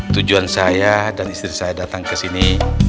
tujuan saya dan istri saya datang kesini